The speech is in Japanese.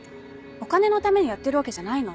お金のためにやってるわけじゃないので。